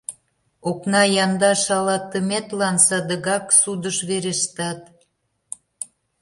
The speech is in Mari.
Окна янда шалатыметлан садыгак судыш верештат.